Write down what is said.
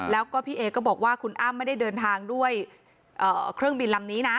แล้วก็พี่เอก็บอกว่าคุณอ้ำไม่ได้เดินทางด้วยเครื่องบินลำนี้นะ